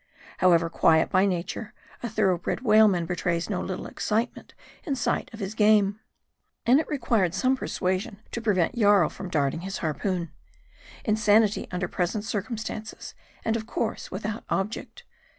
However quiet by nature, a thorough bred whaleman be trays no little excitement in sight of his game. And it required some persuasion to prevent Jarl from darting his harpoon : insanity under present circumstances ; and of course without object.